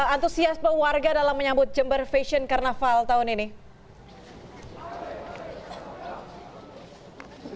antusiasme warga dalam menyambut jember fashion carnaval tahun ini